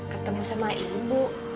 ketemu sama ibu